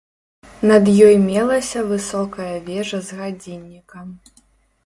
Над ёй мелася высокая вежа з гадзіннікам.